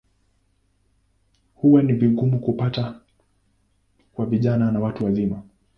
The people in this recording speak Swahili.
Huwa ni vigumu kupata kwa vijana na watu wazima.